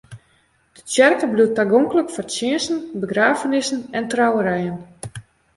De tsjerke bliuwt tagonklik foar tsjinsten, begraffenissen en trouwerijen.